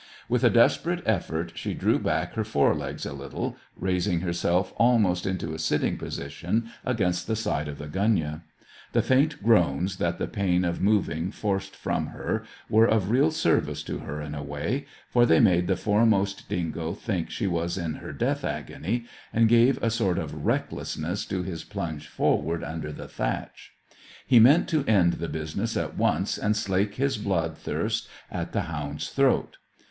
With a desperate effort she drew back her fore legs a little, raising herself almost into a sitting position against the side of the gunyah. The faint groans that the pain of moving forced from her were of real service to her in a way, for they made the foremost dingo think she was in her death agony, and gave a sort of recklessness to his plunge forward under the thatch. He meant to end the business at once and slake his blood thirst at the hound's throat.